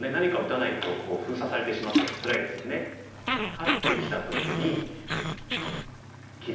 ハッてきた時に切り。